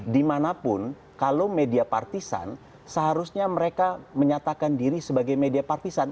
dimanapun kalau media partisan seharusnya mereka menyatakan diri sebagai media partisan